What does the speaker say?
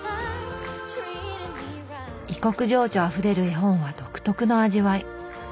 異国情緒あふれる絵本は独特の味わい。